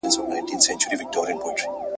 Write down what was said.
د الله د کور زمری دی، زور دي دی پکښی پیدا کړي ..